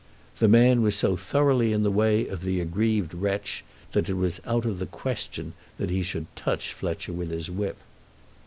The man was so thoroughly in the way of the aggrieved wretch that it was out of the question that he should touch Fletcher with his whip.